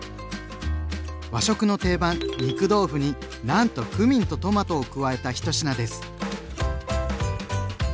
和食の定番「肉豆腐」になんとクミンとトマトを加えた１品です。